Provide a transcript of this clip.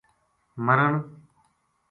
مرن